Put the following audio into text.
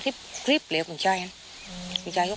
ที่บอกไปอีกเรื่อยเนี่ย